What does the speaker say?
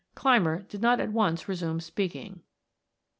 Clymer did not at once resume speaking.